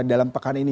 dalam fakta ini